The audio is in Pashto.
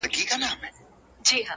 بس ژونده همدغه دی- خو عیاسي وکړه-